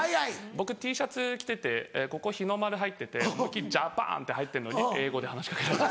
僕Ｔシャツ着ててここ日の丸入ってて思いっ切り「ＪＡＰＡＮ」って入ってるのに英語で話し掛けられます。